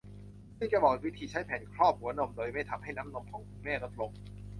ซึ่งจะบอกวิธีใช้แผ่นครอบหัวนมโดยไม่ทำให้น้ำนมของคุณแม่ลดลง